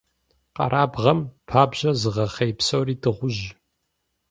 Къэрабгъэм пабжьэр зыгъэхъей псори дыгъужь.